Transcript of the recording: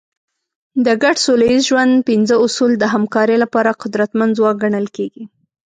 د ګډ سوله ییز ژوند پنځه اصول د همکارۍ لپاره قدرتمند ځواک ګڼل کېږي.